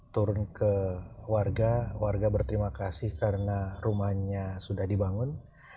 turun ke warga warga berterima kasih karena rumahnya sudah dibangun